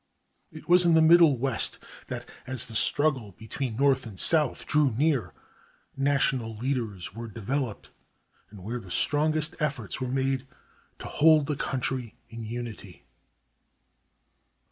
It was in the Middle West that, as the struggle between North and South drew near, national leaders were developed and where the strongest efforts were made to hold the country in unity.